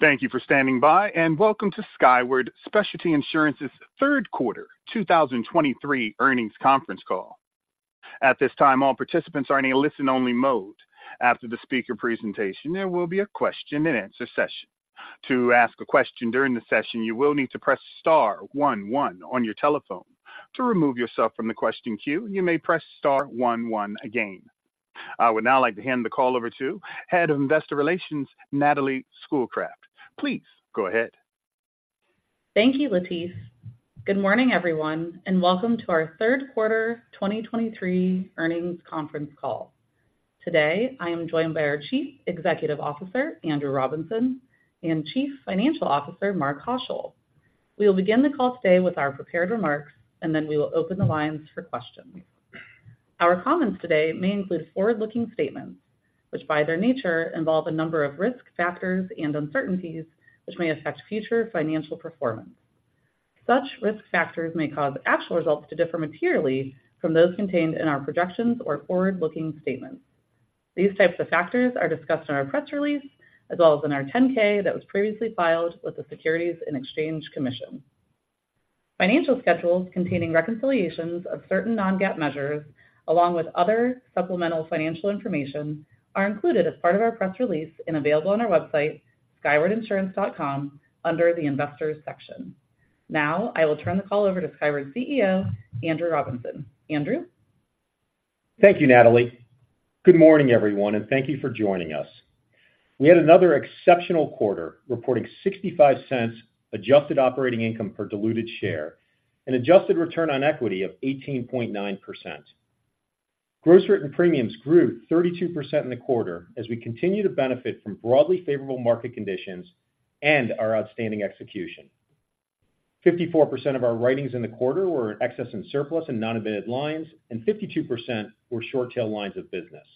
Thank you for standing by, and welcome to Skyward Specialty Insurance's third quarter, 2023 earnings conference call. At this time, all participants are in a listen-only mode. After the speaker presentation, there will be a question-and-answer session. To ask a question during the session, you will need to press star one one on your telephone. To remove yourself from the question queue, you may press star one one again. I would now like to hand the call over to Head of Investor Relations, Natalie Schoolcraft. Please go ahead. Thank you, Latif. Good morning, everyone, and welcome to our third quarter 2023 earnings conference call. Today, I am joined by our Chief Executive Officer, Andrew Robinson, and Chief Financial Officer, Mark Haushill. We will begin the call today with our prepared remarks, and then we will open the lines for questions. Our comments today may include forward-looking statements, which, by their nature, involve a number of risk factors and uncertainties which may affect future financial performance. Such risk factors may cause actual results to differ materially from those contained in our projections or forward-looking statements. These types of factors are discussed in our press release, as well as in our 10-K that was previously filed with the Securities and Exchange Commission. Financial schedules containing reconciliations of certain non-GAAP measures, along with other supplemental financial information, are included as part of our press release and available on our website, skywardinsurance.com, under the Investors section. Now, I will turn the call over to Skyward's CEO, Andrew Robinson. Andrew? Thank you, Natalie. Good morning, everyone, and thank you for joining us. We had another exceptional quarter, reporting $0.65 adjusted operating income per diluted share and adjusted return on equity of 18.9%. Gross written premiums grew 32% in the quarter as we continue to benefit from broadly favorable market conditions and our outstanding execution. 54% of our writings in the quarter were in excess and surplus and non-admitted lines, and 52% were short tail lines of business.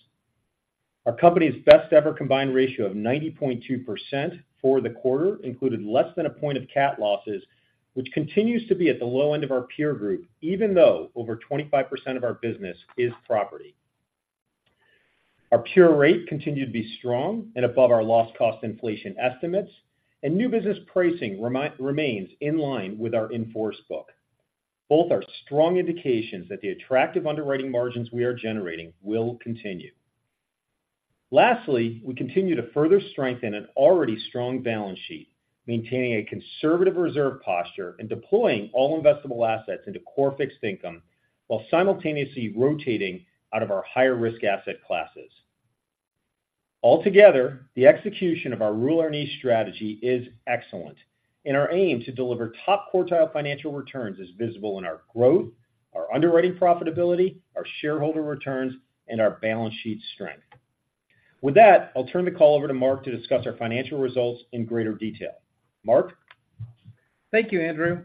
Our company's best ever combined ratio of 90.2% for the quarter included less than 1 point of Cat losses, which continues to be at the low end of our peer group, even though over 25% of our business is property. Our pure rate continued to be strong and above our loss cost inflation estimates, and new business pricing remains in line with our in-force book. Both are strong indications that the attractive underwriting margins we are generating will continue. Lastly, we continue to further strengthen an already strong balance sheet, maintaining a conservative reserve posture and deploying all investable assets into Core Fixed Income, while simultaneously rotating out of our higher risk asset classes. Altogether, the execution of our niche strategy is excellent, and our aim to deliver top quartile financial returns is visible in our growth, our underwriting profitability, our shareholder returns, and our balance sheet strength. With that, I'll turn the call over to Mark to discuss our financial results in greater detail. Mark? Thank you, Andrew.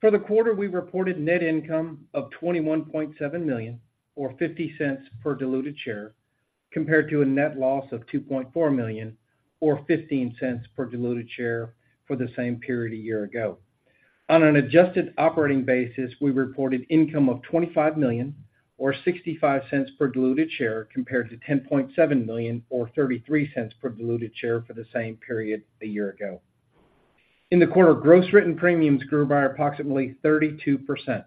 For the quarter, we reported net income of $21.7 million or $0.50 per diluted share, compared to a net loss of $2.4 million or $0.15 per diluted share for the same period a year ago. On an adjusted operating basis, we reported income of $25 million or $0.65 per diluted share, compared to $10.7 million or $0.33 per diluted share for the same period a year ago. In the quarter, gross written premiums grew by approximately 32%.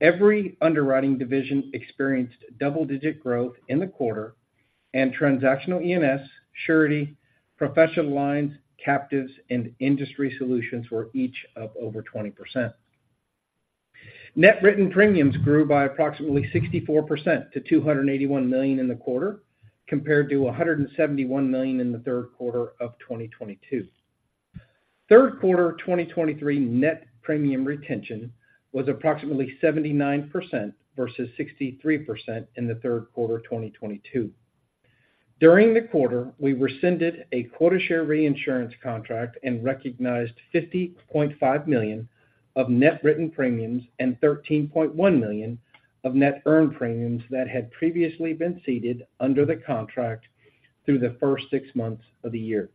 Every underwriting division experienced double-digit growth in the quarter, and Transactional E&S, Surety, Professional Lines, Captives, and Industry Solutions were each up over 20%. Net written premiums grew by approximately 64% to $281 million in the quarter, compared to $171 million in the third quarter of 2022. Third quarter 2023 net premium retention was approximately 79% versus 63% in the third quarter of 2022. During the quarter, we rescinded a quota share reinsurance contract and recognized $50.5 million of net written premiums and $13.1 million of net earned premiums that had previously been ceded under the contract through the first six months of the year.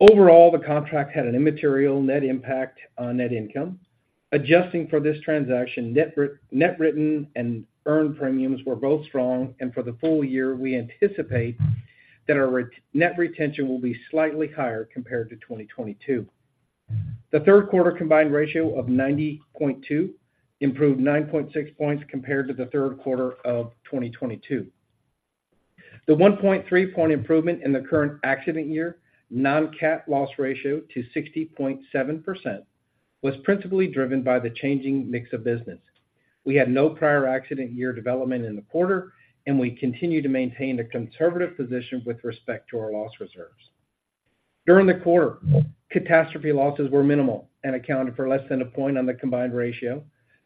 Overall, the contract had an immaterial net impact on net income. Adjusting for this transaction, net written and earned premiums were both strong, and for the full year, we anticipate that our net retention will be slightly higher compared to 2022. The third quarter combined ratio of 90.2 improved 9.6 points compared to the third quarter of 2022. The 1.3-point improvement in the Current Accident Year Non-CAT Loss Ratio to 60.7% was principally driven by the changing mix of business. We had no Prior Accident Year Development in the quarter, and we continue to maintain a conservative position with respect to our loss reserves. During the quarter, catastrophe losses were minimal and accounted for less than a point on the combined ratio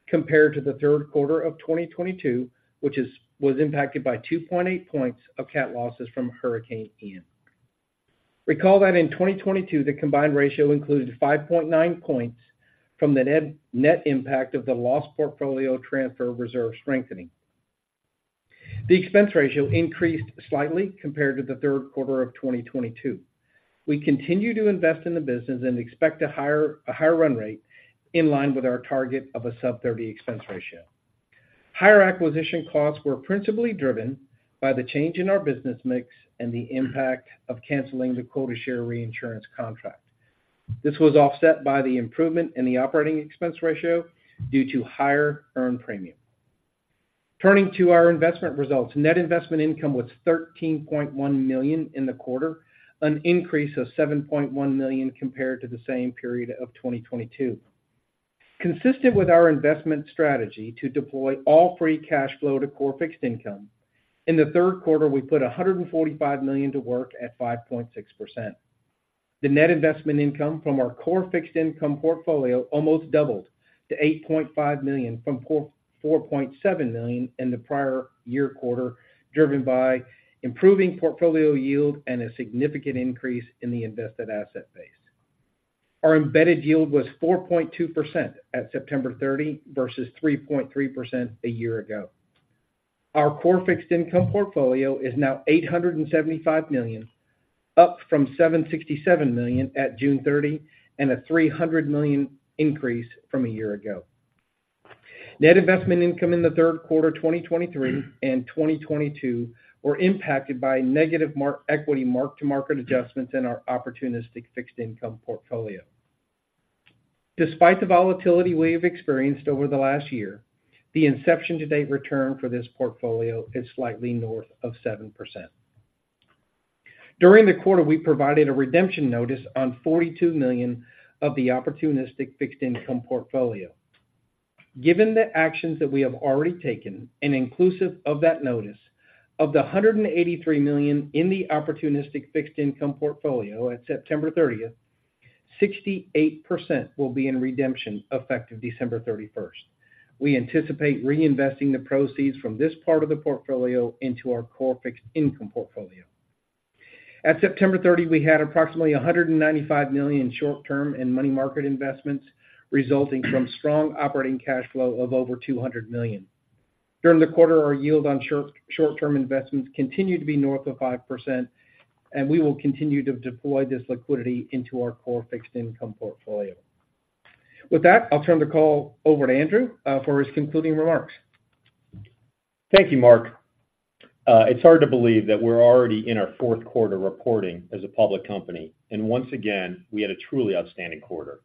compared to the third quarter of 2022, which was impacted by 2.8 points of cat losses from Hurricane Ian. Recall that in 2022, the combined ratio included 5.9 points from the net, net impact of the Loss Portfolio Transfer reserve strengthening. The expense ratio increased slightly compared to the third quarter of 2022. We continue to invest in the business and expect a higher run rate in line with our target of a sub-30% expense ratio. Higher acquisition costs were principally driven by the change in our business mix and the impact of canceling the quota share reinsurance contract. This was offset by the improvement in the operating expense ratio due to higher earned premium. Turning to our investment results, net investment income was $13.1 million in the quarter, an increase of $7.1 million compared to the same period of 2022. Consistent with our investment strategy to deploy all free cash flow to core fixed income, in the third quarter, we put $145 million to work at 5.6%. The net investment income from our Core Fixed Income portfolio almost doubled to $8.5 million, from $4.7 million in the prior year quarter, driven by improving portfolio yield and a significant increase in the invested asset base. Our embedded yield was 4.2% at September 30 versus 3.3% a year ago. Our Core Fixed Income portfolio is now $875 million, up from $767 million at June 30, and a $300 million increase from a year ago. Net investment income in the third quarter, 2023 and 2022, were impacted by negative mark-to-market equity adjustments in our Opportunistic Fixed Income portfolio. Despite the volatility we have experienced over the last year, the inception-to-date return for this portfolio is slightly north of 7%. During the quarter, we provided a redemption notice on $42 million of the Opportunistic Fixed Income portfolio. Given the actions that we have already taken, and inclusive of that notice, of the $183 million in the Opportunistic Fixed Income portfolio at September 30, 68% will be in redemption effective December 31. We anticipate reinvesting the proceeds from this part of the portfolio into our core fixed income portfolio. At September 30, we had approximately $195 million short-term and money market investments, resulting from strong operating cash flow of over $200 million. During the quarter, our yield on short-term investments continued to be north of 5%, and we will continue to deploy this liquidity into our core fixed income portfolio. With that, I'll turn the call over to Andrew for his concluding remarks. Thank you, Mark. It's hard to believe that we're already in our fourth quarter reporting as a public company, and once again, we had a truly outstanding quarter.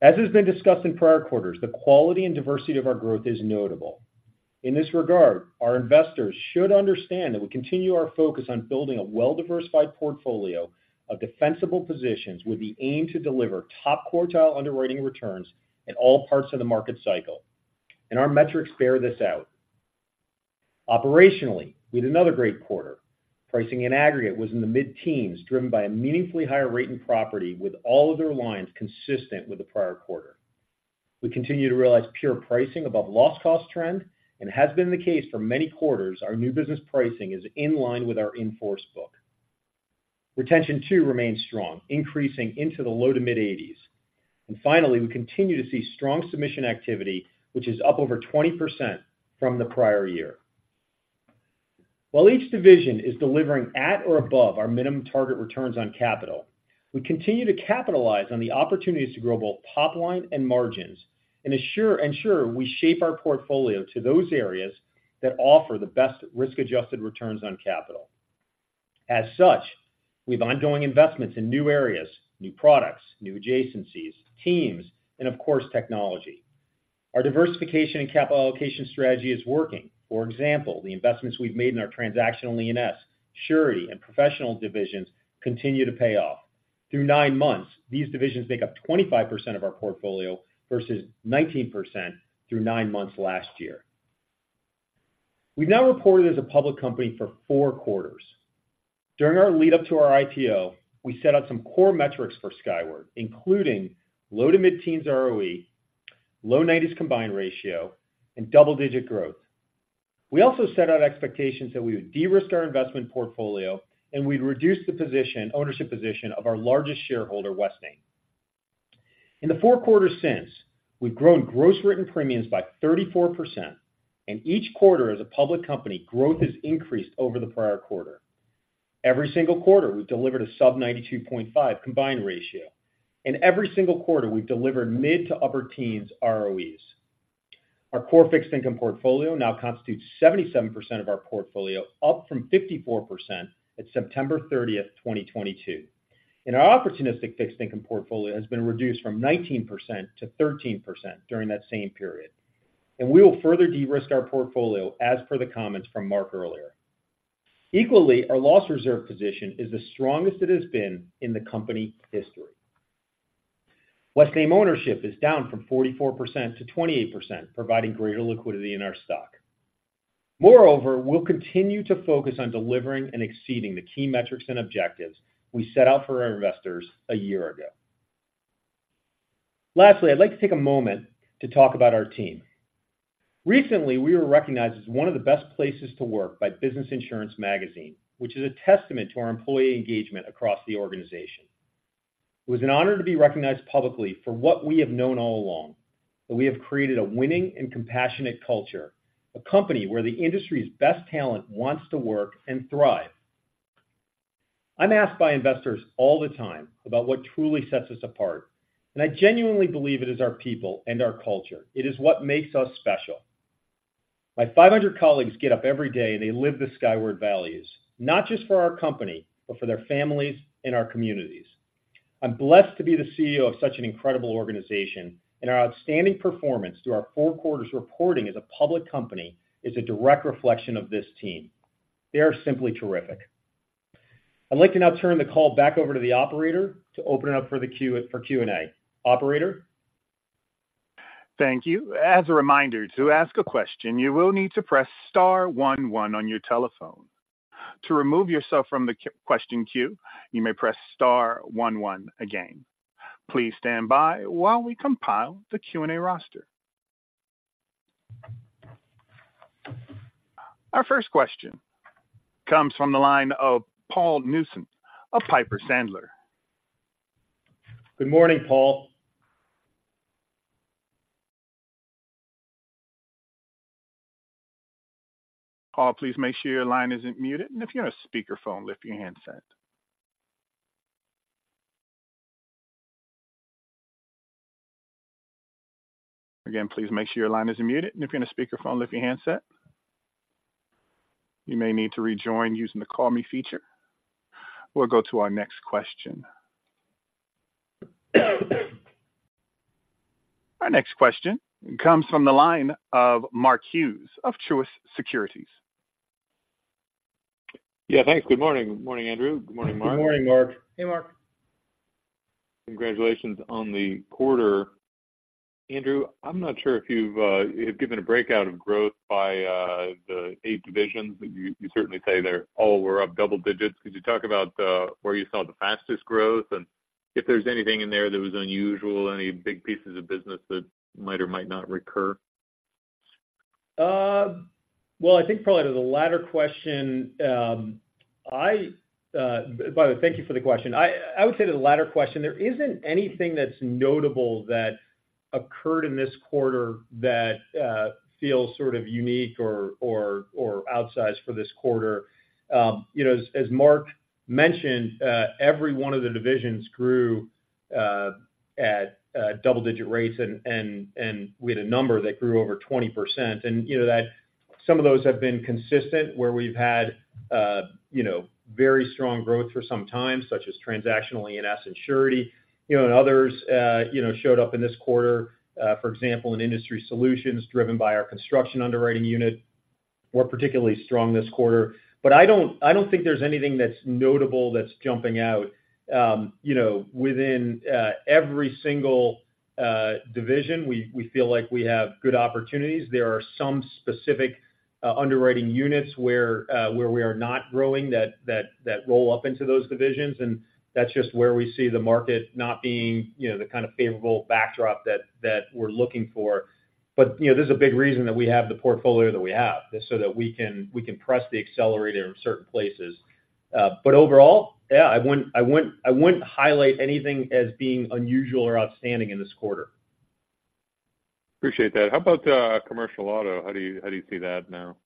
As has been discussed in prior quarters, the quality and diversity of our growth is notable. In this regard, our investors should understand that we continue our focus on building a well-diversified portfolio of defensible positions with the aim to deliver top-quartile underwriting returns in all parts of the market cycle, and our metrics bear this out. Operationally, we had another great quarter. Pricing in aggregate was in the mid-teens, driven by a meaningfully higher rate in property, with all other lines consistent with the prior quarter. We continue to realize pure pricing above loss cost trend, and has been the case for many quarters, our new business pricing is in line with our in-force book. Retention, too, remains strong, increasing into the low to mid-80s. And finally, we continue to see strong submission activity, which is up over 20% from the prior year. While each division is delivering at or above our minimum target returns on capital, we continue to capitalize on the opportunities to grow both top line and margins, and ensure we shape our portfolio to those areas that offer the best risk-adjusted returns on capital. As such, we have ongoing investments in new areas, new products, new adjacencies, teams, and of course, technology. Our diversification and capital allocation strategy is working. For example, the investments we've made in our Transactional Lines, Surety, and professional divisions continue to pay off. Through nine months, these divisions make up 25% of our portfolio, versus 19% through nine months last year. We've now reported as a public company for four quarters. During our lead-up to our IPO, we set out some core metrics for Skyward, including low to mid-teens ROE, low-90s combined ratio, and double-digit growth. We also set out expectations that we would de-risk our investment portfolio, and we'd reduce the position, ownership position, of our largest shareholder, Westaim. In the four quarters since, we've grown gross written premiums by 34%, and each quarter as a public company, growth has increased over the prior quarter. Every single quarter, we've delivered a sub-92.5 combined ratio. And every single quarter, we've delivered mid- to upper-teens ROEs. Our core fixed income portfolio now constitutes 77% of our portfolio, up from 54% at September 30, 2022. And our opportunistic fixed income portfolio has been reduced from 19% to 13% during that same period. And we will further de-risk our portfolio, as per the comments from Mark earlier. Equally, our loss reserve position is the strongest it has been in the company history. Westaim ownership is down from 44% to 28%, providing greater liquidity in our stock. Moreover, we'll continue to focus on delivering and exceeding the key metrics and objectives we set out for our investors a year ago. Lastly, I'd like to take a moment to talk about our team. Recently, we were recognized as one of the best places to work by Business Insurance magazine, which is a testament to our employee engagement across the organization. It was an honor to be recognized publicly for what we have known all along, that we have created a winning and compassionate culture, a company where the industry's best talent wants to work and thrive. I'm asked by investors all the time about what truly sets us apart, and I genuinely believe it is our people and our culture. It is what makes us special. My 500 colleagues get up every day, and they live the Skyward values, not just for our company, but for their families and our communities. I'm blessed to be the CEO of such an incredible organization, and our outstanding performance through our 4 quarters reporting as a public company is a direct reflection of this team. They are simply terrific. I'd like to now turn the call back over to the operator to open it up for the Q&A. Operator? Thank you. As a reminder, to ask a question, you will need to press star one, one on your telephone. To remove yourself from the question queue, you may press star one, one again. Please stand by while we compile the Q&A roster. Our first question comes from the line of Paul Newsome of Piper Sandler. Good morning, Paul. Paul, please make sure your line isn't muted, and if you're on a speakerphone, lift your handset. Again, please make sure your line isn't muted, and if you're on a speakerphone, lift your handset. You may need to rejoin using the Call Me feature. We'll go to our next question. Our next question comes from the line of Mark Hughes of Truist Securities. Yeah, thanks. Good morning. Good morning, Andrew. Good morning, Mark. Good morning, Mark. Hey, Mark. Congratulations on the quarter. Andrew, I'm not sure if you've, you've given a breakout of growth by, the eight divisions, but you, you certainly say they're all were up double digits. Could you talk about, where you saw the fastest growth, and if there's anything in there that was unusual, any big pieces of business that might or might not recur? Well, I think probably to the latter question, by the way, thank you for the question. I would say to the latter question, there isn't anything that's notable that occurred in this quarter that feels sort of unique or outsized for this quarter. You know, as Mark mentioned, every one of the divisions grew at double-digit rates, and we had a number that grew over 20%. You know, that some of those have been consistent, where we've had you know, very strong growth for some time, such as Transactional and E&S and Surety. You know, and others showed up in this quarter, for example, in Industry Solutions, driven by our construction underwriting unit, were particularly strong this quarter. I don't think there's anything that's notable that's jumping out. You know, within every single division, we feel like we have good opportunities. There are some specific underwriting units where we are not growing that roll up into those divisions, and that's just where we see the market not being, you know, the kind of favorable backdrop that we're looking for. But, you know, there's a big reason that we have the portfolio that we have, just so that we can press the accelerator in certain places. But overall, yeah, I wouldn't highlight anything as being unusual or outstanding in this quarter. Appreciate that. How about, commercial auto? How do you, how do you see that now?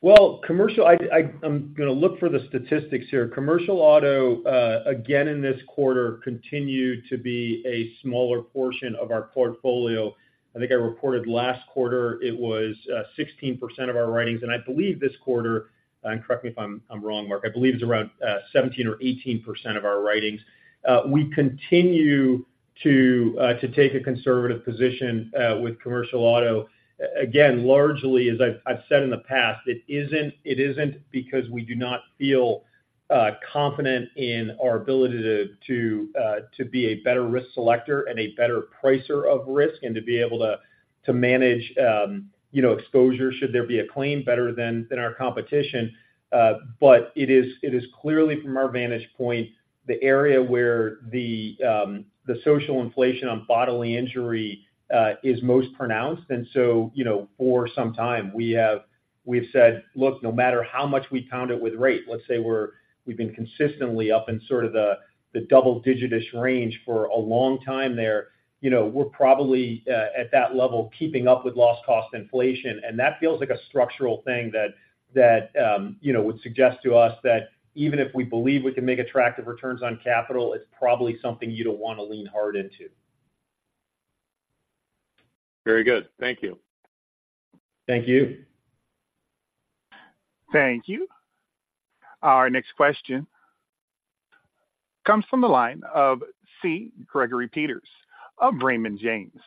Well, commercial, I'm going to look for the statistics here. commercial auto, again, in this quarter, continued to be a smaller portion of our portfolio. I think I reported last quarter it was sixteen percent of our writings, and I believe this quarter, correct me if I'm wrong, Mark, I believe it's around seventeen or eighteen percent of our writings. We continue to take a conservative position with commercial auto. Again, largely, as I've said in the past, it isn't because we do not feel confident in our ability to be a better risk selector and a better pricer of risk, and to be able to manage, you know, exposure, should there be a claim, better than our competition. But it is, it is clearly from our vantage point, the area where the social inflation on bodily injury is most pronounced. And so, you know, for some time, we've said, look, no matter how much we pound it with rate, let's say we've been consistently up in sort of the double digits range for a long time there. You know, we're probably at that level, keeping up with loss cost inflation, and that feels like a structural thing that, that, you know, would suggest to us that even if we believe we can make attractive returns on capital, it's probably something you don't want to lean hard into. Very good. Thank you. Thank you. Thank you. Our next question comes from the line of C. Gregory Peters of Raymond James.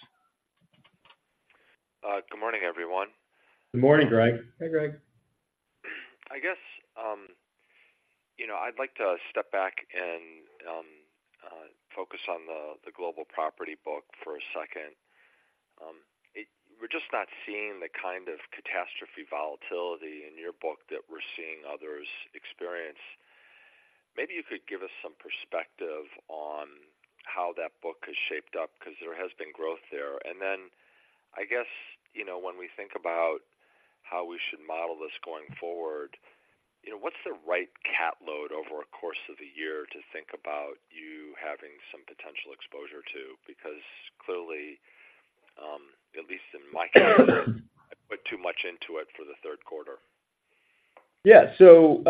Good morning, everyone. Good morning, Greg. Hey, Greg. I guess, you know, I'd like to step back and focus on the Global Property book for a second. We're just not seeing the kind of catastrophe volatility in your book that we're seeing others experience. Maybe you could give us some perspective on how that book has shaped up, because there has been growth there. And then, I guess, you know, when we think about how we should model this going forward, you know, what's the right cat load over a course of the year to think about you having some potential exposure to? Because clearly, at least in my cat much into it for the third quarter? Yeah. So,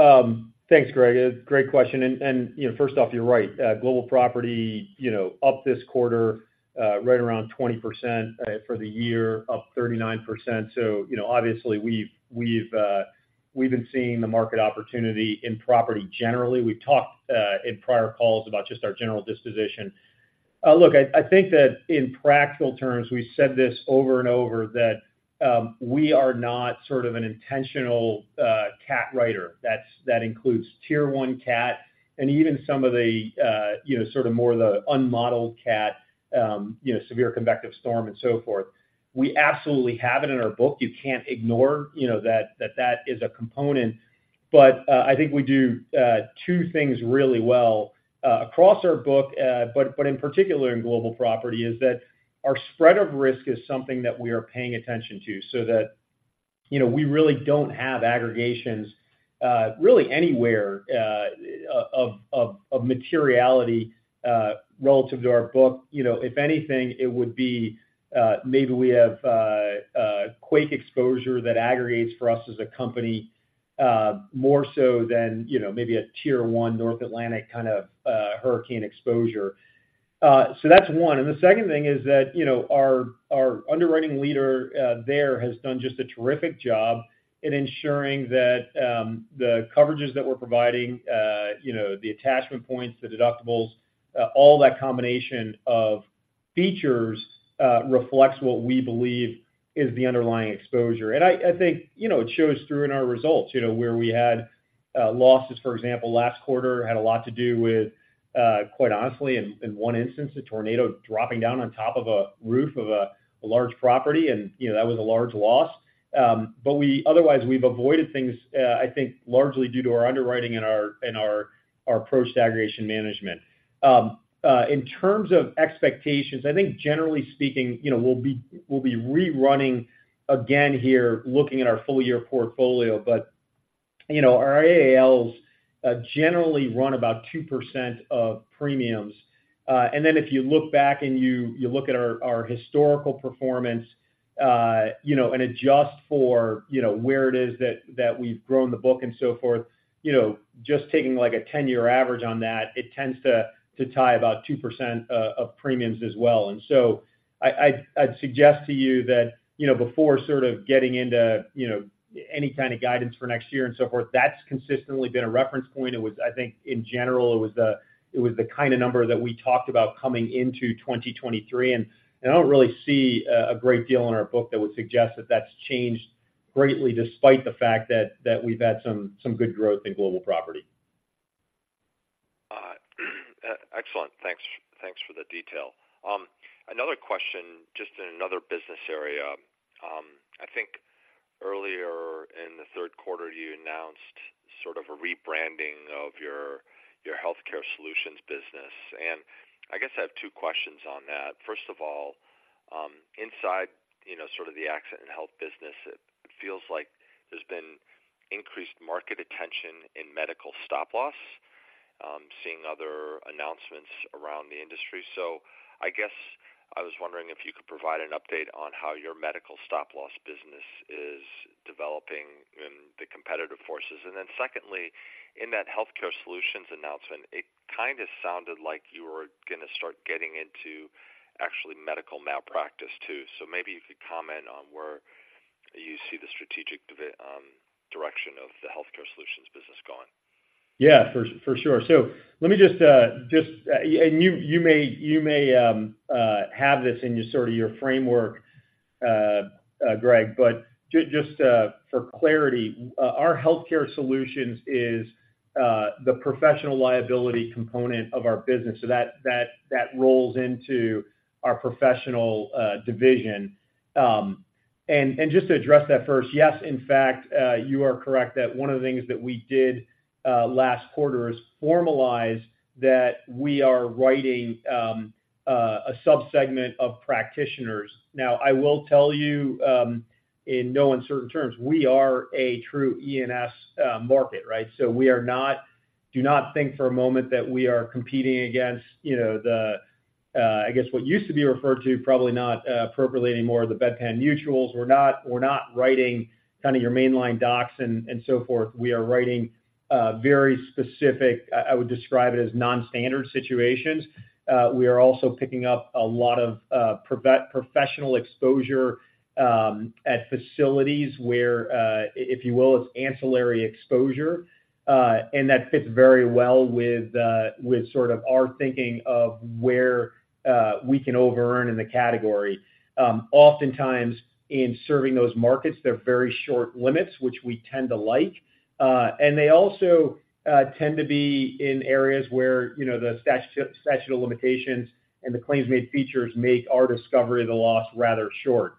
thanks, Greg. A great question. And, you know, first off, you're right. Global property, you know, up this quarter, right around 20%, for the year, up 39%. So, you know, obviously, we've been seeing the market opportunity in property generally. We've talked in prior calls about just our general disposition. Look, I think that in practical terms, we've said this over and over, that we are not sort of an intentional cat writer. That includes Tier One CAT and even some of the, you know, sort of more of the unmodeled cat, you know, severe convective storm and so forth. We absolutely have it in our book. You can't ignore, you know, that is a component. But, I think we do two things really well across our book, but in particular in Global Property, is that our spread of risk is something that we are paying attention to, so that, you know, we really don't have aggregations really anywhere of materiality relative to our book. You know, if anything, it would be maybe we have a quake exposure that aggregates for us as a company more so than, you know, maybe a Tier One North Atlantic kind of hurricane exposure. So that's one. The second thing is that, you know, our underwriting leader there has done just a terrific job in ensuring that the coverages that we're providing, you know, the attachment points, the deductibles, all that combination of features reflects what we believe is the underlying exposure. I think, you know, it shows through in our results, you know. Where we had losses, for example, last quarter, had a lot to do with quite honestly, in one instance, a tornado dropping down on top of a roof of a large property, and, you know, that was a large loss. But otherwise, we've avoided things, I think, largely due to our underwriting and our approach to aggregation management. In terms of expectations, I think generally speaking, you know, we'll be rerunning again here, looking at our full year portfolio. But, you know, our AALs generally run about 2% of premiums. And then if you look back and you look at our historical performance, you know, and adjust for, you know, where it is that we've grown the book and so forth, you know, just taking like a 10-year average on that, it tends to tie about 2% of premiums as well. And so I'd suggest to you that, you know, before sort of getting into, you know, any kind of guidance for next year and so forth, that's consistently been a reference point. It was, I think, in general, it was the kind of number that we talked about coming into 2023. And I don't really see a great deal in our book that would suggest that that's changed greatly, despite the fact that we've had some good growth in Global Property. Excellent. Thanks, thanks for the detail. Another question, just in another business area. I think earlier in the third quarter, you announced sort of a rebranding of your Healthcare Solutions business. I guess I have two questions on that. First of all, inside, you know, sort of the accident and health business, it feels like there's been increased market attention in medical stop loss. Seeing other announcements around the industry. I guess I was wondering if you could provide an update on how your medical stop loss business is developing and the competitive forces. Then secondly, in that Healthcare Solutions announcement, it kind of sounded like you were going to start getting into actually medical malpractice, too. Maybe if you could comment on where you see the strategic direction of the Healthcare Solutions business going. Yeah, for sure. So let me just and you may have this in your sort of framework, Greg. But just for clarity, our Healthcare Solutions is the professional liability component of our business, so that rolls into our professional division. And just to address that first, yes, in fact, you are correct that one of the things that we did last quarter is formalize that we are writing a subsegment of practitioners. Now, I will tell you in no uncertain terms, we are a true E&S market, right? So we are not, do not think for a moment that we are competing against, you know, the, I guess what used to be referred to, probably not appropriately anymore, the bedpan mutuals. We're not writing kind of your mainline D&Os and so forth. We are writing very specific. I would describe it as non-standard situations. We are also picking up a lot of professional exposure at facilities where, if you will, it's ancillary exposure. And that fits very well with sort of our thinking of where we can overearn in the category. Oftentimes, in serving those markets, they're very short limits, which we tend to like. And they also tend to be in areas where, you know, the statute of limitations and the claims-made features make our discovery of the loss rather short.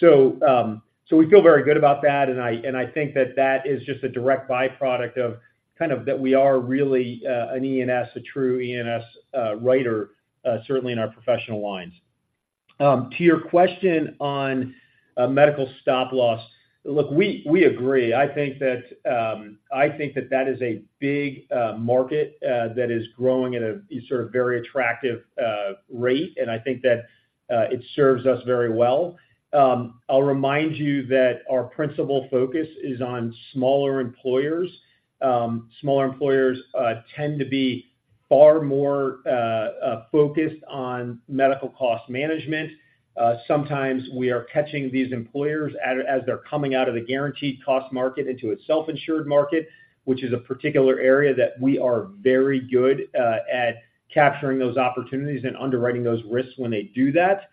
So we feel very good about that, and I think that that is just a direct byproduct of kind of that we are really an E&S, a true E&S writer, certainly in our professional lines. To your question on medical stop loss, look, we agree. I think that that is a big market that is growing at a sort of very attractive rate. And I think that it serves us very well. I'll remind you that our principal focus is on smaller employers. Smaller employers tend to be far more focused on medical cost management. Sometimes we are catching these employers as they're coming out of the guaranteed cost market into a self-insured market, which is a particular area that we are very good at capturing those opportunities and underwriting those risks when they do that.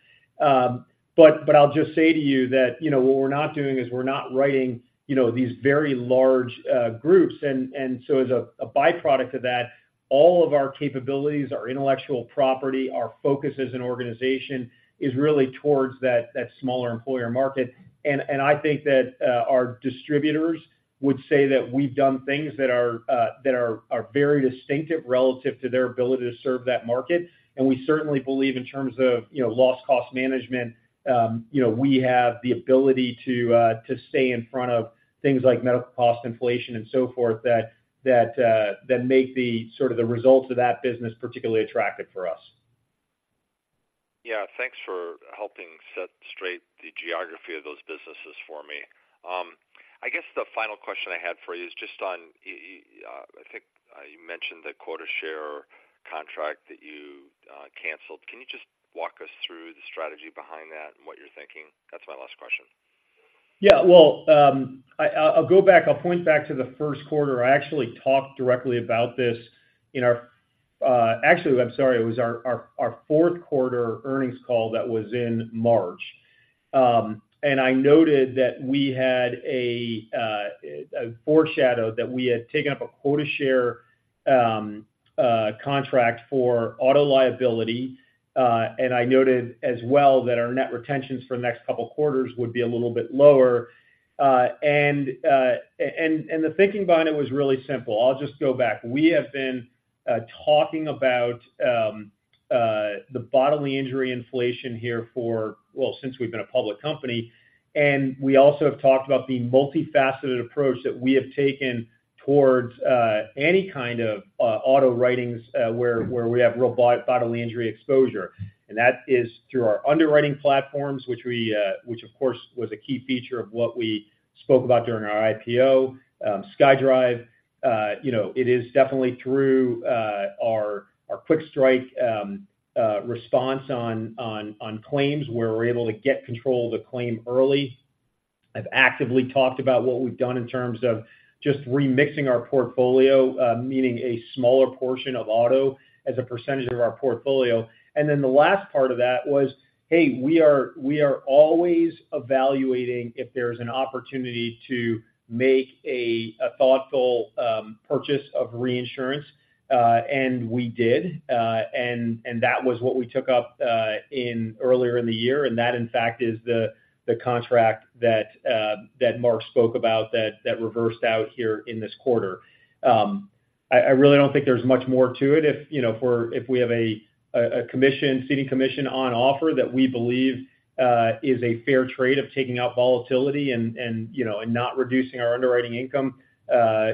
But I'll just say to you that, you know, what we're not doing is we're not writing these very large groups. And so as a by-product of that, all of our capabilities, our intellectual property, our focus as an organization, is really towards that smaller employer market. And I think that our distributors would say that we've done things that are very distinctive relative to their ability to serve that market. We certainly believe in terms of, you know, loss cost management, you know, we have the ability to stay in front of things like medical cost inflation and so forth, that make the sort of results of that business particularly attractive for us. Yeah, thanks for helping set straight the geography of those businesses for me. I guess the final question I had for you is just on, I think, you mentioned the quota share contract that you canceled. Can you just walk us through the strategy behind that and what you're thinking? That's my last question. Yeah. Well, I'll go back, point back to the first quarter. Actually, I'm sorry, it was our fourth quarter earnings call that was in March. And I noted that we had a foreshadow that we had taken up a quota share contract for auto liability, and I noted as well that our net retentions for the next couple quarters would be a little bit lower. And the thinking behind it was really simple. I'll just go back. We have been talking about the bodily injury inflation here for, well, since we've been a public company. We also have talked about the multifaceted approach that we have taken towards any kind of auto writings where we have real bodily injury exposure. That is through our underwriting platforms, which, of course, was a key feature of what we spoke about during our IPO, SkyDrive. You know, it is definitely through our quick strike response on claims, where we're able to get control of the claim early. I've actively talked about what we've done in terms of just remixing our portfolio, meaning a smaller portion of auto as a percentage of our portfolio. And then the last part of that was, hey, we are always evaluating if there's an opportunity to make a thoughtful purchase of reinsurance, and we did. And that was what we took up earlier in the year, and that, in fact, is the contract that Mark spoke about that reversed out here in this quarter. I really don't think there's much more to it. If you know, if we have a ceding commission on offer that we believe is a fair trade of taking out volatility and you know, and not reducing our underwriting income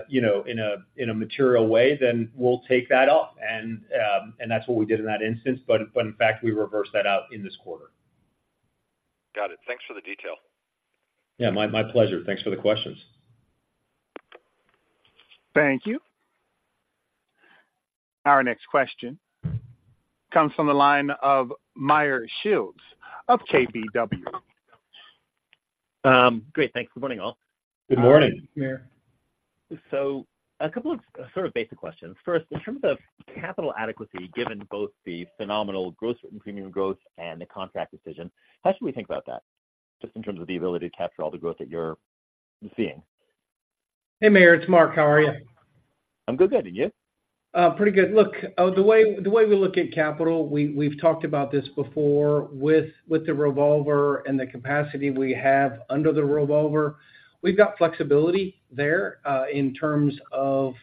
you know, in a material way, then we'll take that off. And that's what we did in that instance, but in fact, we reversed that out in this quarter. Got it. Thanks for the detail. Yeah, my pleasure. Thanks for the questions. Thank you. Our next question comes from the line of Meyer Shields of KBW. Great. Thanks. Good morning, all. Good morning. Good morning, Meyer. So a couple of sort of basic questions. First, in terms of capital adequacy, given both the phenomenal gross written premium growth and the contract decision, how should we think about that, just in terms of the ability to capture all the growth that you're seeing? Hey, Meyer, it's Mark. How are you? I'm good, good. And you? Pretty good. Look, the way we look at capital, we've talked about this before with the revolver and the capacity we have under the revolver. We've got flexibility there in terms of,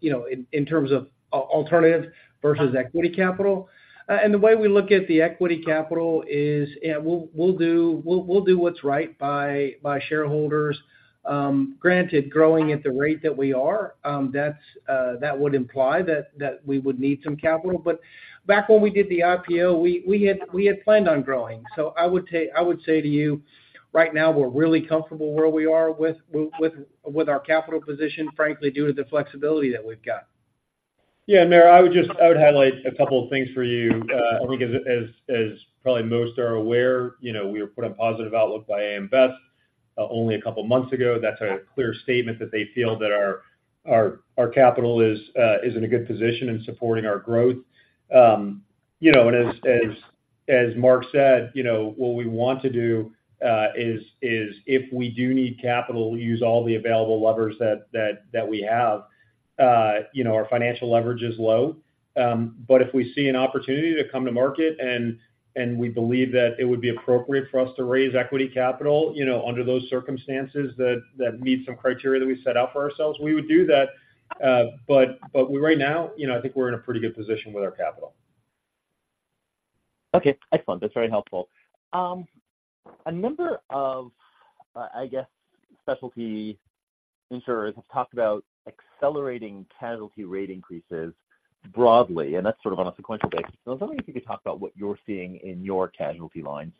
you know, in terms of alternative versus equity capital. And the way we look at the equity capital is, we'll do what's right by shareholders. Granted, growing at the rate that we are, that would imply that we would need some capital. But back when we did the IPO, we had planned on growing. So I would say to you, right now, we're really comfortable where we are with our capital position, frankly, due to the flexibility that we've got. Yeah, Meyer, I would just highlight a couple of things for you. I think as probably most are aware, you know, we were put on positive outlook by A.M. Best only a couple of months ago. That's a clear statement that they feel that our capital is in a good position in supporting our growth. You know, and as Mark said, you know, what we want to do is if we do need capital, we use all the available levers that we have. You know, our financial leverage is low, but if we see an opportunity to come to market and we believe that it would be appropriate for us to raise equity capital, you know, under those circumstances that meet some criteria that we set out for ourselves, we would do that. But right now, you know, I think we're in a pretty good position with our capital. Okay, excellent. That's very helpful. A number of, I guess, specialty insurers have talked about accelerating casualty rate increases broadly, and that's sort of on a sequential basis. I was wondering if you could talk about what you're seeing in your casualty lines.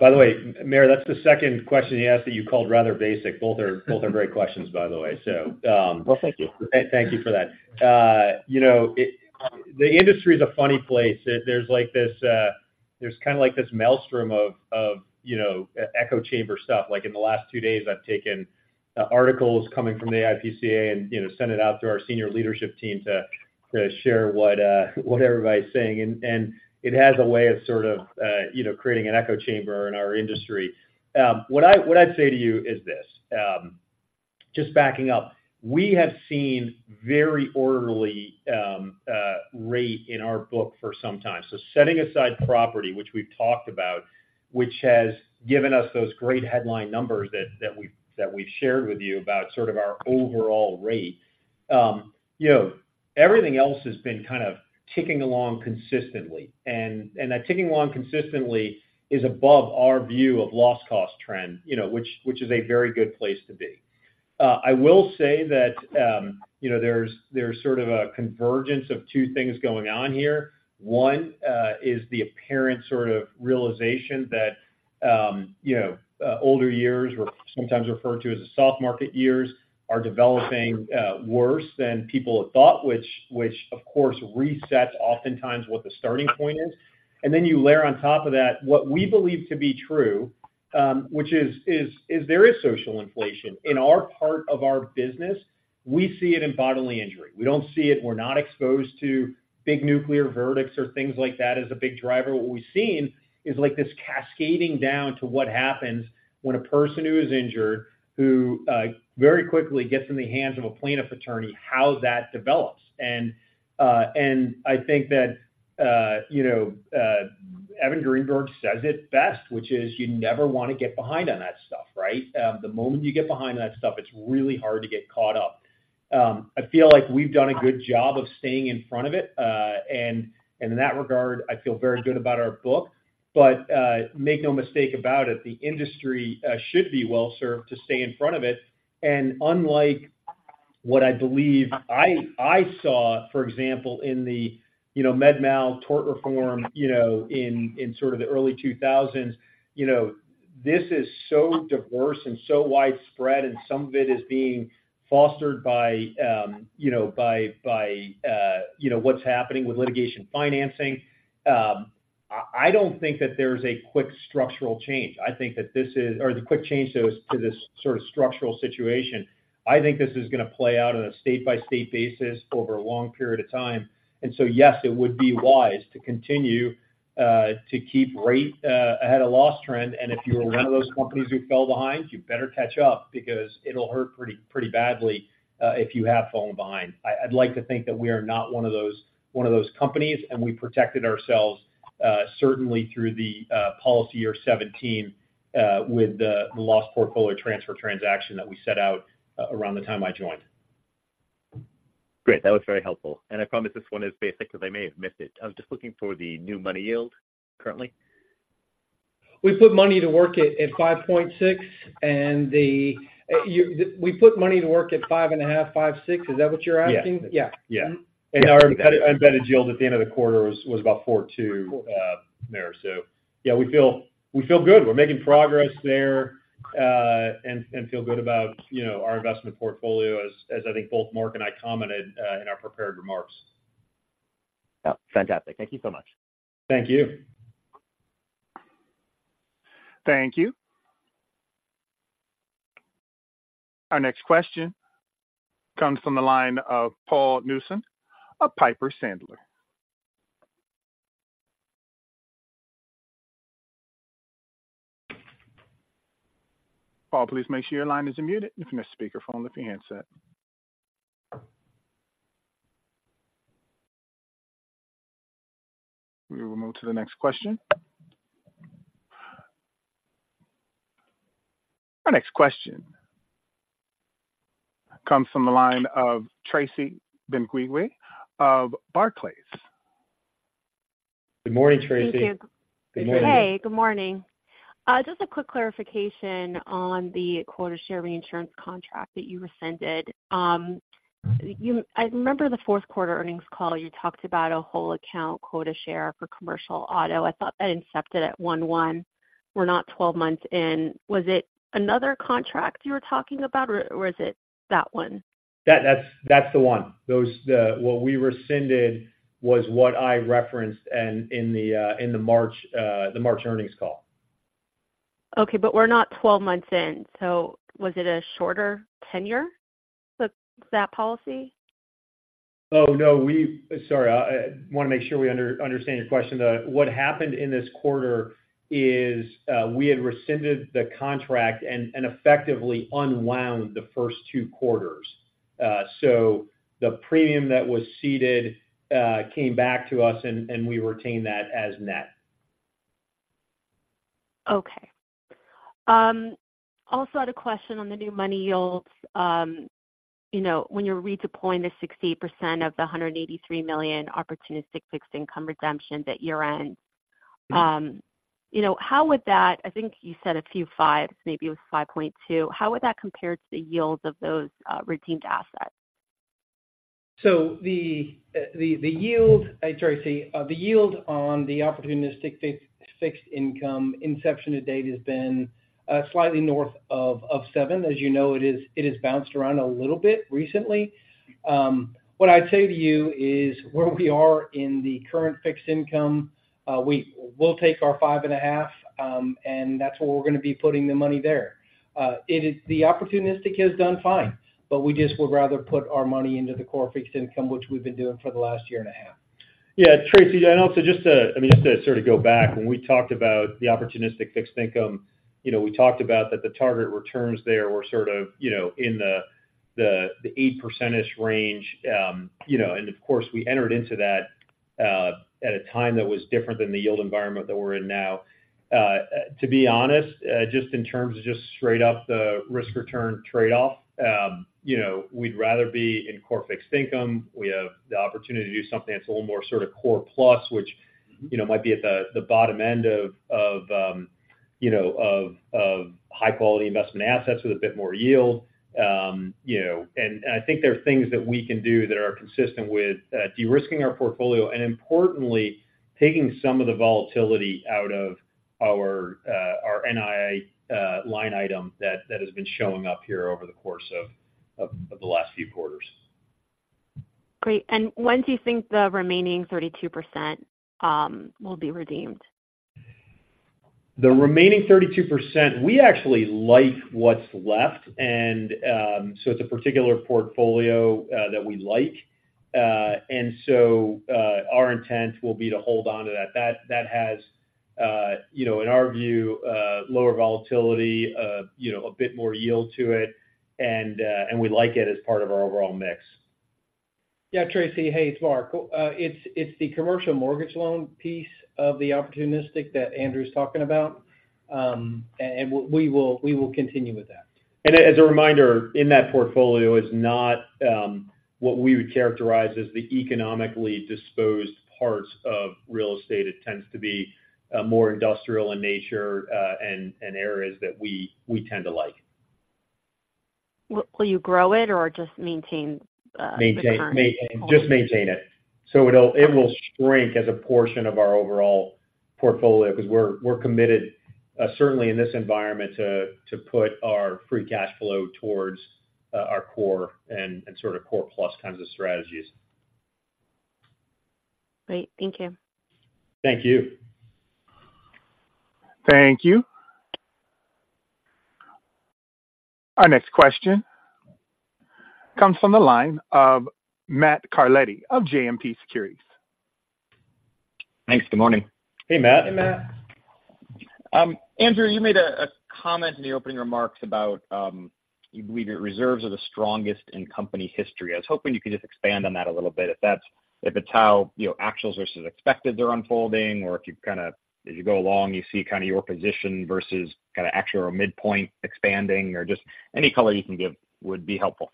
By the way, Meyer, that's the second question you asked that you called rather basic. Both are, both are great questions, by the way. So. Well, thank you. Thank you for that. You know, the industry is a funny place. There's like this, there's kind of like this maelstrom of, you know, echo chamber stuff. Like, in the last two days, I've taken articles coming from the APCIA and, you know, sent it out to our senior leadership team to share what everybody's saying. And it has a way of sort of, you know, creating an echo chamber in our industry. What I'd say to you is this, just backing up. We have seen very orderly rate in our book for some time. So setting aside property, which we've talked about, which has given us those great headline numbers that we've shared with you about sort of our overall rate. You know, everything else has been kind of ticking along consistently, and that ticking along consistently is above our view of loss cost trend, you know, which is a very good place to be. I will say that, you know, there's sort of a convergence of two things going on here. One is the apparent sort of realization that, you know, older years, or sometimes referred to as the soft market years, are developing worse than people had thought, which of course, resets oftentimes what the starting point is. And then you layer on top of that, what we believe to be true, which is there is social inflation. In our part of our business, we see it in bodily injury. We don't see it, we're not exposed to big nuclear verdicts or things like that as a big driver. What we've seen is like this cascading down to what happens when a person who is injured, who very quickly gets in the hands of a plaintiff attorney, how that develops. And and I think that you know Evan Greenberg says it best, which is: You never want to get behind on that stuff, right? The moment you get behind on that stuff, it's really hard to get caught up. I feel like we've done a good job of staying in front of it, and and in that regard, I feel very good about our book. But make no mistake about it, the industry should be well-served to stay in front of it. Unlike what I believe I saw, for example, in the, you know, med mal tort reform, you know, in sort of the early 2000s, you know, this is so diverse and so widespread, and some of it is being fostered by, you know, what's happening with litigation financing. I don't think that there's a quick structural change. I think that this is or the quick change to this, to this sort of structural situation. I think this is going to play out on a state-by-state basis over a long period of time. And so, yes, it would be wise to continue to keep rate ahead of loss trend. And if you are one of those companies who fell behind, you better catch up because it'll hurt pretty, pretty badly if you have fallen behind. I'd like to think that we are not one of those, one of those companies, and we protected ourselves, certainly through the policy year 2017, with the loss portfolio transfer transaction that we set out around the time I joined. Great. That was very helpful. I promise this one is basic because I may have missed it. I was just looking for the new money yield currently. We put money to work at 5.6, and the we put money to work at 5.5, 5, 6. Is that what you're asking? Yeah. Yeah. Yeah. Our embedded yield at the end of the quarter was about 4.2, Meyer. So yeah, we feel good. We're making progress there, and feel good about, you know, our investment portfolio as I think both Mark and I commented in our prepared remarks. Yeah, fantastic. Thank you so much. Thank you. Thank you. Our next question comes from the line of Paul Newsome of Piper Sandler. Paul, please make sure your line is unmuted and your speakerphone on your handset. We will move to the next question. Our next question comes from the line of Tracy Benguigui of Barclays. Good morning, Tracy. Thank you. Good morning. Hey, good morning. Just a quick clarification on the quota share reinsurance contract that you rescinded. I remember the fourth quarter earnings call, you talked about a whole account quota share for commercial auto. I thought that incepted at 1/1. We're not 12 months in. Was it another contract you were talking about, or was it that one? That's the one. What we rescinded was what I referenced in the March earnings call. Okay, but we're not 12 months in, so was it a shorter tenure for that policy? Oh, no, we, s orry, I want to make sure we understand your question, though. What happened in this quarter is, we had rescinded the contract and effectively unwound the first two quarters. So the premium that was ceded came back to us, and we retained that as net. Okay, also had a question on the new money yields. You know, when you're redeploying the 68% of the $183 million Opportunistic Fixed Income redemption at year-end, you know, how would that—I think you said a few fives, maybe it was 5.2. How would that compare to the yields of those redeemed assets? So the yield, hey, Tracy, the yield on the opportunistic fixed income inception to date has been slightly north of 7. As you know, it has bounced around a little bit recently. What I'd say to you is where we are in the current fixed income, we will take our 5.5, and that's where we're gonna be putting the money there. It is, the opportunistic has done fine, but we just would rather put our money into the core fixed income, which we've been doing for the last year and a half. Yeah, Tracy, and also just to, I mean, just to sort of go back, when we talked about the opportunistic fixed income, you know, we talked about that the target returns there were sort of, you know, in the 8%-ish range. You know, and of course, we entered into that at a time that was different than the yield environment that we're in now. To be honest, just in terms of just straight up the risk return trade-off, you know, we'd rather be in core fixed income. We have the opportunity to do something that's a little more sort of core plus, which, you know, might be at the bottom end of high-quality investment assets with a bit more yield. You know, and I think there are things that we can do that are consistent with de-risking our portfolio, and importantly, taking some of the volatility out of our NII line item that has been showing up here over the course of the last few quarters. Great. And when do you think the remaining 32% will be redeemed? The remaining 32%, we actually like what's left, and so it's a particular portfolio that we like. And so, our intent will be to hold on to that. That has, you know, in our view, lower volatility, you know, a bit more yield to it, and we like it as part of our overall mix. Yeah, Tracy, hey, it's Mark. Well, it's the commercial mortgage loan piece of the opportunistic that Andrew's talking about. And we will continue with that. And as a reminder, in that portfolio is not what we would characterize as the economically disposed parts of real estate. It tends to be more industrial in nature, and areas that we tend to like. Will, will you grow it or just maintain the current. Maintain. Just maintain it. So it will shrink as a portion of our overall portfolio because we're committed, certainly in this environment, to put our free cash flow towards our core and sort of core plus kinds of strategies. Great. Thank you. Thank you. Thank you. Our next question comes from the line of Matt Carletti of JMP Securities. Thanks. Good morning. Hey, Matt. Hey, Matt. Andrew, you made a comment in the opening remarks about you believe your reserves are the strongest in company history. I was hoping you could just expand on that a little bit, if that's, if it's how, you know, actuals versus expected are unfolding, or if you've kind of, as you go along, you see kind of your position versus kind of actual or midpoint expanding, or just any color you can give would be helpful.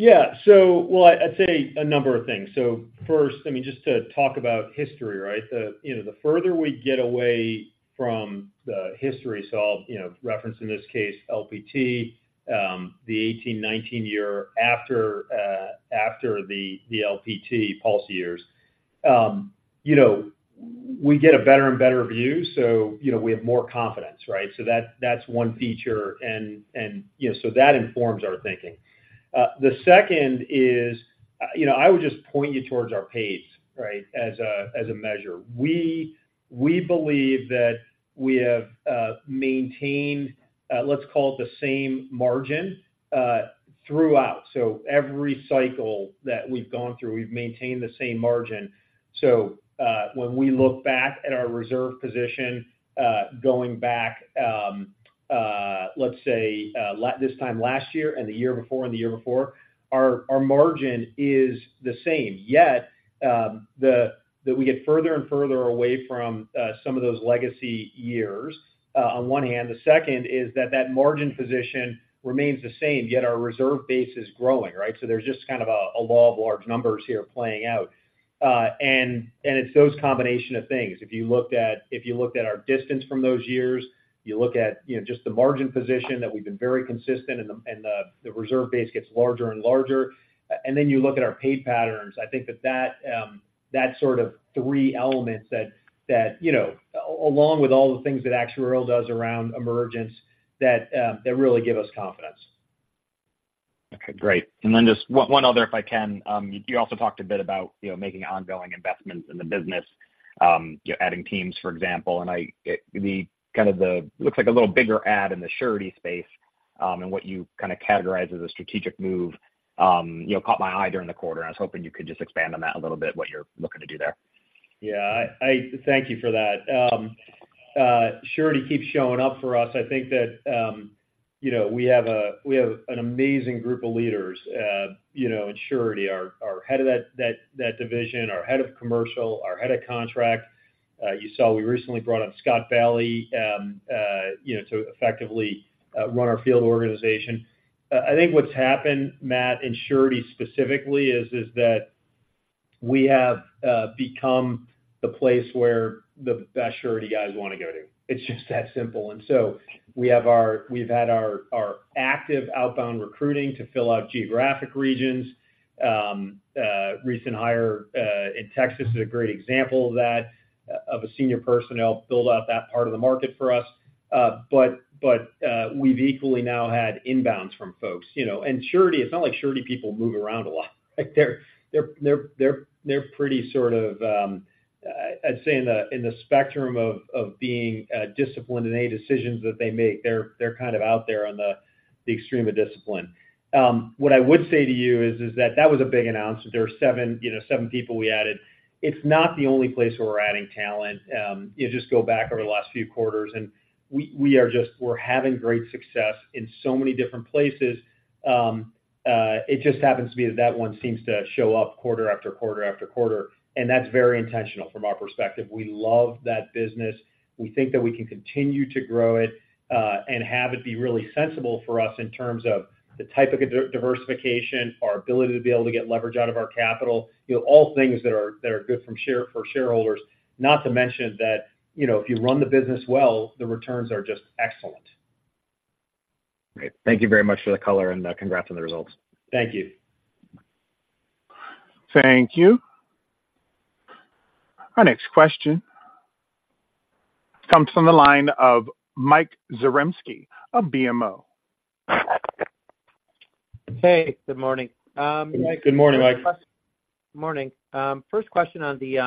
Yeah. So well, I'd say a number of things. So first, I mean, just to talk about history, right? The, you know, the further we get away from the history, so I'll, you know, reference, in this case, LPT, the 18-19 year after, after the, the LPT policy years. You know, we get a better and better view, so you know, we have more confidence, right? So that, that's one feature, and, and, you know, so that informs our thinking. The second is, you know, I would just point you towards our pace, right, as a, as a measure. We, we believe that we have, maintained, let's call it the same margin, throughout. So every cycle that we've gone through, we've maintained the same margin. So, when we look back at our reserve position, going back, let's say, this time last year and the year before and the year before, our margin is the same, yet that we get further and further away from some of those legacy years, on one hand. The second is that margin position remains the same, yet our reserve base is growing, right? So there's just kind of a law of large numbers here playing out. And it's those combination of things. If you looked at our distance from those years, you look at, you know, just the margin position that we've been very consistent, and the reserve base gets larger and larger, and then you look at our pay patterns. I think that sort of three elements that you know along with all the things that Actuarial does around emergence that really give us confidence. Okay, great. And then just one other, if I can. You also talked a bit about, you know, making ongoing investments in the business, you know, adding teams, for example, and it, the kind of, looks like a little bigger add in the Surety space, and what you kind of categorize as a strategic move, you know, caught my eye during the quarter, and I was hoping you could just expand on that a little bit, what you're looking to do there. Yeah, I thank you for that. Surety keeps showing up for us. I think that. You know, we have an amazing group of leaders, you know, in Surety, our head of that division, our head of commercial, our head of contract. You saw we recently brought on Scott Bhalle, you know, to effectively run our field organization. I think what's happened, Matt, in Surety specifically, is that we have become the place where the best Surety guys want to go to. It's just that simple. And so we've had our active outbound recruiting to fill out geographic regions. Recent hire in Texas is a great example of that, of a senior personnel build out that part of the market for us. But, but, we've equally now had inbounds from folks. You know, and Surety, it's not like Surety people move around a lot. Like they're pretty sort of, I'd say in the spectrum of being disciplined in any decisions that they make, they're kind of out there on the extreme of discipline. What I would say to you is that was a big announcement. There were 7, you know, 7 people we added. It's not the only place where we're adding talent. You just go back over the last few quarters, and we are just we're having great success in so many different places. It just happens to be that that one seems to show up quarter after quarter after quarter, and that's very intentional from our perspective. We love that business. We think that we can continue to grow it, and have it be really sensible for us in terms of the type of diversification, our ability to be able to get leverage out of our capital, you know, all things that are good for shareholders. Not to mention that, you know, if you run the business well, the returns are just excellent. Great. Thank you very much for the color, and congrats on the results. Thank you. Thank you. Our next question comes from the line of Mike Zaremski of BMO. Hey, good morning. Good morning, Mike. Morning. First question on the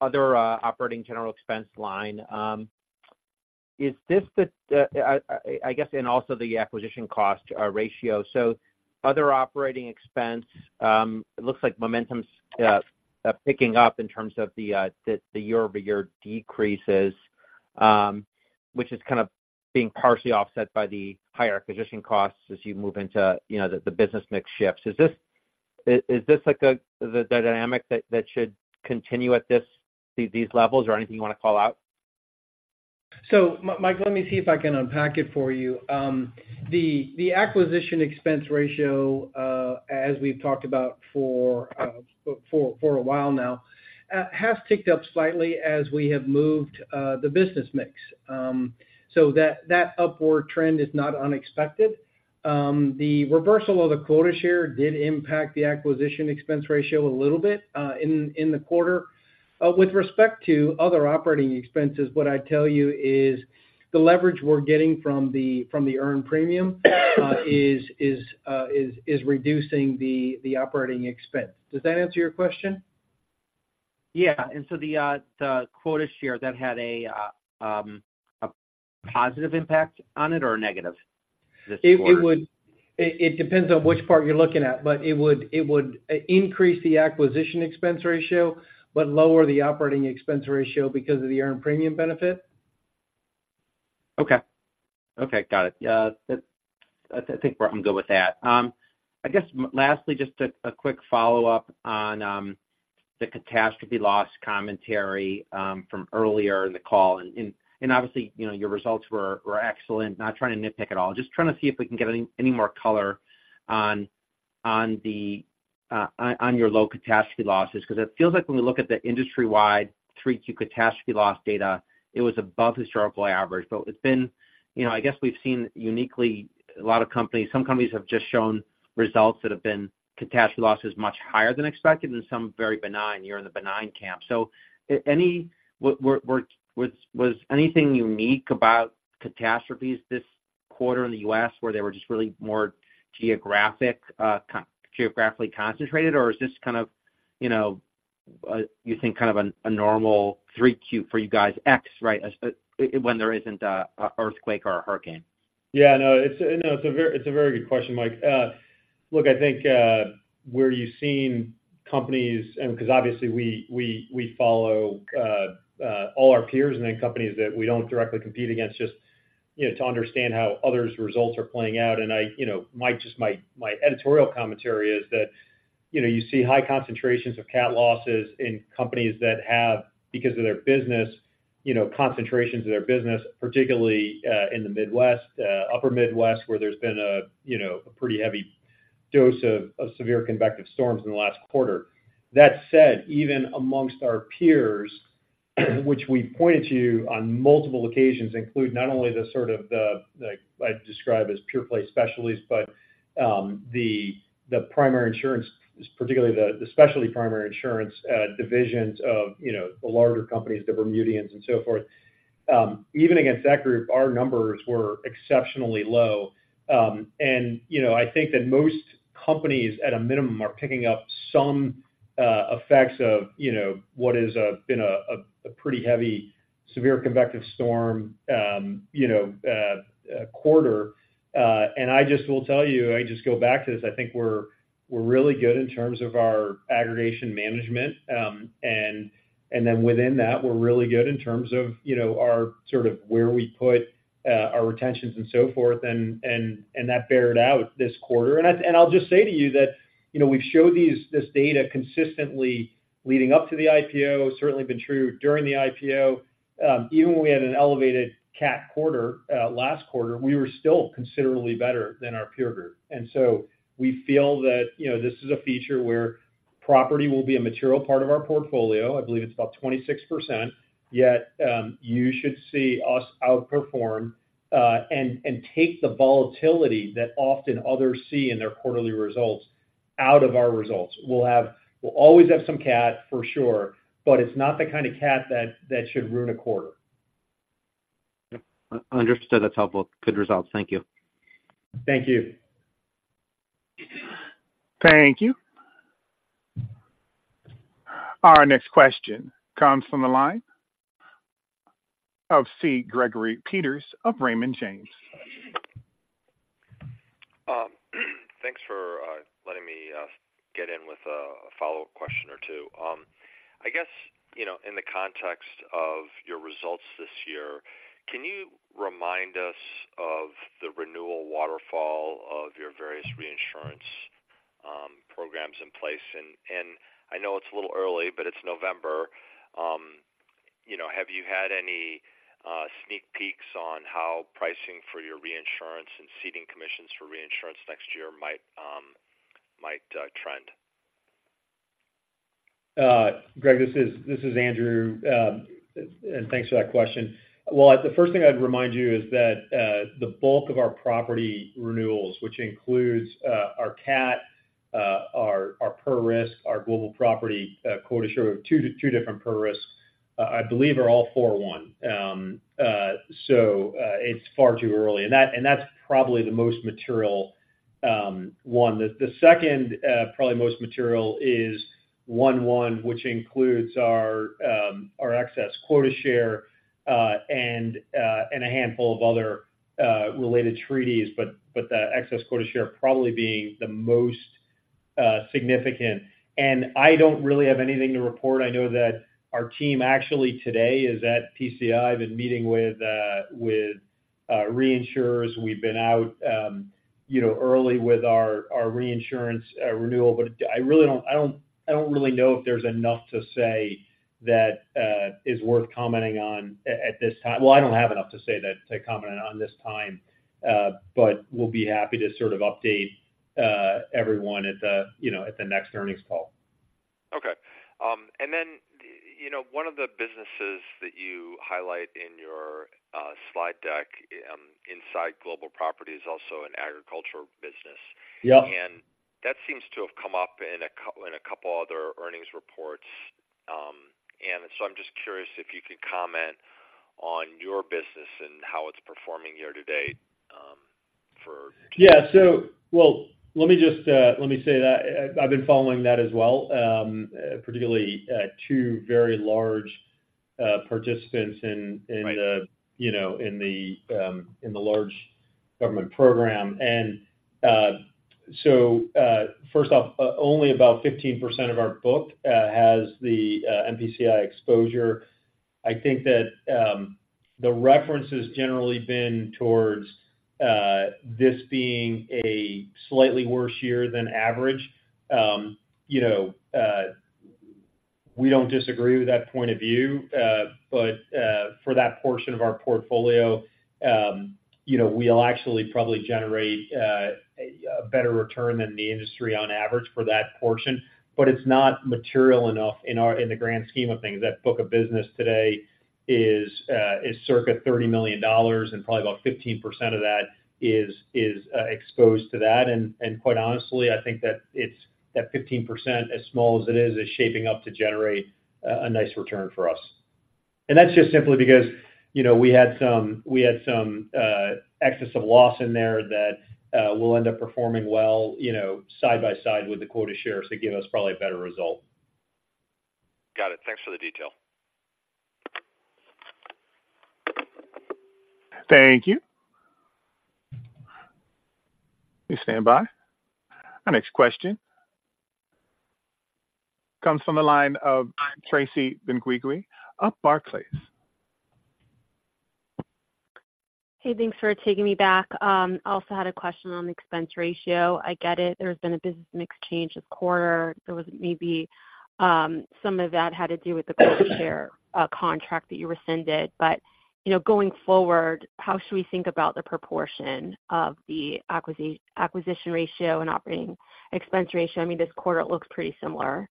other operating general expense line. Is this the, I guess, and also the acquisition cost ratio. So other operating expense, it looks like momentum's picking up in terms of the year-over-year decreases, which is kind of being partially offset by the higher acquisition costs as you move into, you know, the business mix shifts. Is this like the dynamic that should continue at these levels, or anything you want to call out? So, Mike, let me see if I can unpack it for you. The acquisition expense ratio, as we've talked about for a while now, has ticked up slightly as we have moved the business mix. So that upward trend is not unexpected. The reversal of the quota share did impact the acquisition expense ratio a little bit in the quarter. With respect to other operating expenses, what I'd tell you is the leverage we're getting from the earned premium is reducing the operating expense. Does that answer your question? Yeah. The quota share that had a positive impact on it or a negative this quarter? It depends on which part you're looking at, but it would increase the acquisition expense ratio, but lower the operating expense ratio because of the earned premium benefit. Okay. Okay, got it. Yeah, that... I think we're good with that. I guess lastly, just a quick follow-up on the catastrophe loss commentary from earlier in the call. And obviously, you know, your results were excellent. Not trying to nitpick at all, just trying to see if we can get any more color on your low catastrophe losses. Because it feels like when we look at the industry-wide 3Q catastrophe loss data, it was above historical average. But it's been, you know, I guess we've seen uniquely a lot of companies - some companies have just shown results that have been catastrophe losses much higher than expected and some very benign. You're in the benign camp. So, was anything unique about catastrophes this quarter in the U.S., where they were just really more geographically concentrated? Or is this kind of, you know, you think kind of a normal 3Q for you guys, right? As when there isn't an earthquake or a hurricane. Yeah, no, it's, you know, it's a very, it's a very good question, Mike. Look, I think, where you've seen companies... And because obviously we follow all our peers and then companies that we don't directly compete against, just, you know, to understand how others' results are playing out. And I, you know, just my editorial commentary is that, you know, you see high concentrations of cat losses in companies that have, because of their business, you know, concentrations of their business, particularly, in the Midwest, upper Midwest, where there's been a, you know, a pretty heavy dose of severe convective storms in the last quarter. That said, even amongst our peers, which we've pointed to on multiple occasions, include not only the sort of the, like, I describe as pure-play specialties, but the primary insurance, particularly the specialty primary insurance divisions of, you know, the larger companies, the Bermudians, and so forth. Even against that group, our numbers were exceptionally low. And, you know, I think that most companies, at a minimum, are picking up some effects of, you know, what has been a pretty heavy severe convective storm, you know, quarter. And I just will tell you, I just go back to this, I think we're really good in terms of our aggregation management. And then within that, we're really good in terms of, you know, our sort of where we put our retentions and so forth, and that bear it out this quarter. And I'll just say to you that, you know, we've showed these- this data consistently leading up to the IPO, certainly been true during the IPO. Even when we had an elevated cat quarter, last quarter, we were still considerably better than our peer group. And so we feel that, you know, this is a feature where property will be a material part of our portfolio. I believe it's about 26%, yet you should see us outperform and take the volatility that often others see in their quarterly results out of our results. We'll always have some cat, for sure, but it's not the kind of cat that should ruin a quarter. Understood. That's helpful. Good results. Thank you. Thank you. Thank you. Our next question comes from the line of C. Gregory Peters of Raymond James. Thanks for letting me get in with a follow-up question or two. I guess, you know, in the context of your results this year, can you remind us of the renewal waterfall of your various reinsurance programs in place? And I know it's a little early, but it's November, you know, have you had any sneak peeks on how pricing for your reinsurance and ceding commissions for reinsurance next year might trend? Greg, this is Andrew. And thanks for that question. Well, the first thing I'd remind you is that the bulk of our property renewals, which includes our cat, our per risk, our Global Property quota share, two different per risks, I believe, are all 4/1. So, it's far too early, and that's probably the most material one. The second probably most material is 1/1, which includes our excess quota share and a handful of other related treaties, but the excess quota share probably being the most significant. And I don't really have anything to report. I know that our team, actually, today is at PCI, been meeting with reinsurers. We've been out, you know, our reinsurance renewal. But I really don't know if there's enough to say that is worth commenting on at this time. Well, I don't have enough to say to comment on this time, but we'll be happy to sort of update everyone at the, you know, at the next earnings call. Okay. And then, you know, one of the businesses that you highlight in your slide deck inside Global Property is also an agricultural business. Yep. That seems to have come up in a couple other earnings reports. So I'm just curious if you could comment on your business and how it's performing year to date, for- Yeah. So, well, let me just, let me say that I've been following that as well, particularly, two very large, participants in, in the- Right... you know, in the large government program. And so first off, only about 15% of our book has the MPCI exposure. I think that the reference has generally been towards this being a slightly worse year than average. You know, we don't disagree with that point of view, but for that portion of our portfolio, you know, we'll actually probably generate a better return than the industry on average for that portion. But it's not material enough in our - in the grand scheme of things. That book of business today is circa $30 million, and probably about 15% of that is exposed to that. And quite honestly, I think that it's that 15%, as small as it is, is shaping up to generate a nice return for us. And that's just simply because, you know, we had some excess of loss in there that will end up performing well, you know, side by side with the quota shares to give us probably a better result. Got it. Thanks for the detail. Thank you. Please stand by. Our next question comes from the line of Tracy Benguigui of Barclays. Hey, thanks for taking me back. I also had a question on the expense ratio. I get it, there's been a business mix change this quarter. There was maybe, some of that had to do with the quota share, contract that you rescinded. But, you know, going forward, how should we think about the proportion of the acquisition ratio and operating expense ratio? I mean, this quarter it looks pretty similar.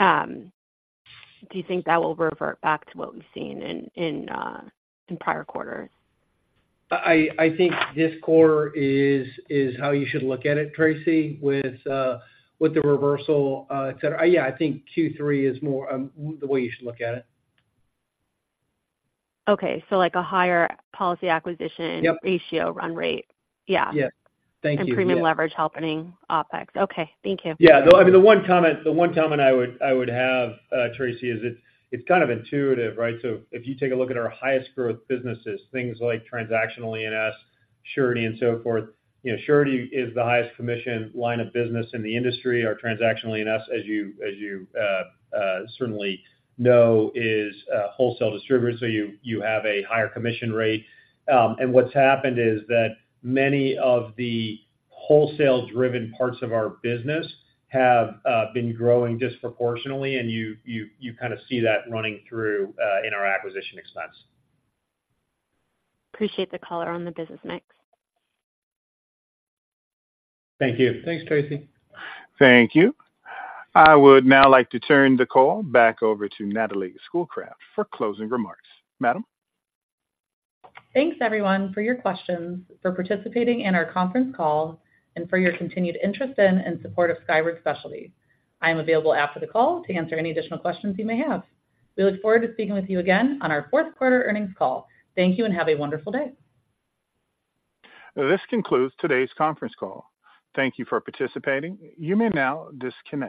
Do you think that will revert back to what we've seen in prior quarters? I think this quarter is how you should look at it, Tracy, with the reversal, et cetera. Yeah, I think Q3 is more the way you should look at it. Okay. So like a higher policy acquisition- Yep ratio run rate? Yeah. Yeah. Thank you. Premium leverage helping OpEx. Okay, thank you. Yeah. I mean, the one comment, the one comment I would have, Tracy, is it's kind of intuitive, right? So if you take a look at our highest growth businesses, things like Transactional E&S, Surety, and so forth. You know, Surety is the highest commission line of business in the industry. Our Transactional E&S, as you certainly know, is a wholesale distributor, so you have a higher commission rate. And what's happened is that many of the wholesale-driven parts of our business have been growing disproportionately, and you kind of see that running through in our acquisition expense. Appreciate the color on the business mix. Thank you. Thanks, Tracy. Thank you. I would now like to turn the call back over to Natalie Schoolcraft for closing remarks. Madam? Thanks, everyone, for your questions, for participating in our conference call, and for your continued interest in and support of Skyward Specialty. I am available after the call to answer any additional questions you may have. We look forward to speaking with you again on our fourth quarter earnings call. Thank you, and have a wonderful day. This concludes today's conference call. Thank you for participating. You may now disconnect.